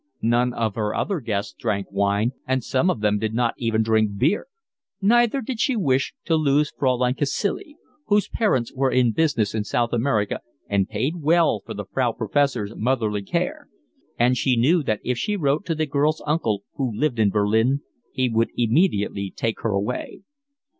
None of her other guests drank wine, and some of them did not even drink beer. Neither did she wish to lose Fraulein Cacilie, whose parents were in business in South America and paid well for the Frau Professor's motherly care; and she knew that if she wrote to the girl's uncle, who lived in Berlin, he would immediately take her away.